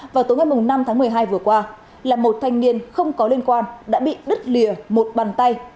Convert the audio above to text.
vào tối ngày năm tháng một mươi hai vừa qua là một thanh niên không có liên quan đã bị đứt lìa một bàn tay